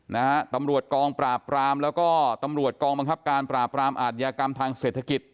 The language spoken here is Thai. นะฮะตำรวจกองปราบปรามแล้วก็ตำรวจกองบังคับการปราบรามอาทยากรรมทางเศรษฐกิจ